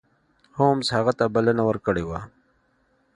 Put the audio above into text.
هولمز هغه ته بلنه ورکړې وه.